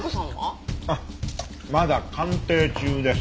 あっまだ鑑定中です。